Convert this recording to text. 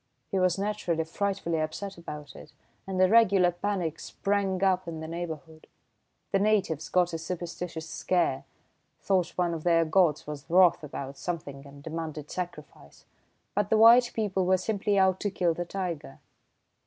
He was naturally frightfully upset about it, and a regular panic sprang up in the neighbourhood. The natives got a superstitious scare thought one of their gods was wroth about something and demanded sacrifice; but the white people were simply out to kill the tiger."